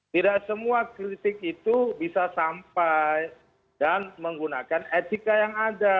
tidak semua kritik itu bisa sampai dan menggunakan etika yang ada